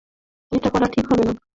এটা করা সঠিক হবে না।